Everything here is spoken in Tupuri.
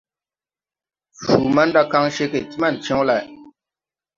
Cuu manda kaŋ ceege ti man cew lay.